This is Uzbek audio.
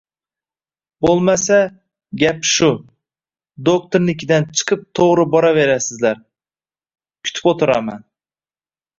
– Bo’lmasa, gap shu! Do’xtirnikidan chiqib to’g’ri boraverasizlar! Kutib o’tiraman!